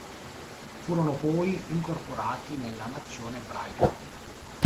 Furono poi incorporati nella nazione ebraica.